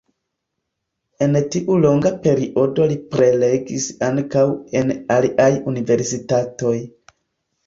En tiu longa periodo li prelegis ankaŭ en aliaj universitatoj.